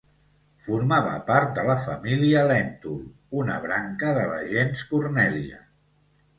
Formava part de la família Lèntul, una branca de la gens Cornèlia.